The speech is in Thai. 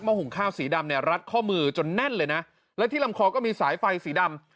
หุงข้าวสีดำเนี่ยรัดข้อมือจนแน่นเลยนะและที่ลำคอก็มีสายไฟสีดำ